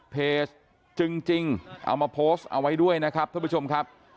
จึงจริงเอามาโพสต์เอาไว้ด้วยนะครับท่านผู้ชมครับ